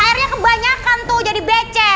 airnya kebanyakan tuh jadi becek